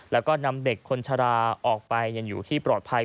แล้วก็นำเด็กคนชะลาออกไปยังอยู่ที่ปลอดภัย